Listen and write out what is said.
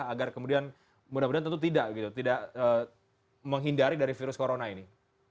agar kemudian mudah mudahan tentu tidak gitu tidak menghindari dari virus corona ini